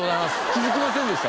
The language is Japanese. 気づきませんでした？